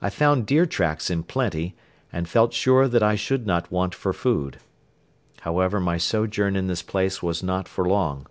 I found deer tracks in plenty and felt sure that I should not want for food. However, my sojourn in this place was not for long.